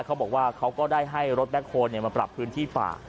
เขาก็ได้ให้รถแบ็คโฮลมาปรับพื้นที่ป่า